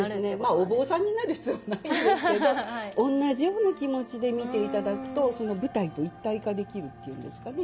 まあお坊さんになる必要はないんですけどおんなじような気持ちで見ていただくとその舞台と一体化できるっていうんですかね